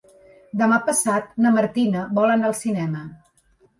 Demà passat na Martina vol anar al cinema.